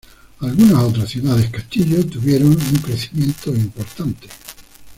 Algunas otras ciudades castillo tuvieron un crecimiento importante.